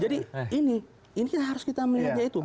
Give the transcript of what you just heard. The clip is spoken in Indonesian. jadi ini harus kita melihatnya itu